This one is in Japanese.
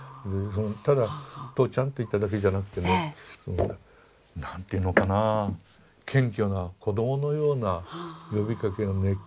ただ「とうちゃん」と言っただけじゃなくてね何て言うのかな謙虚な子どものような呼びかけの熱気ね。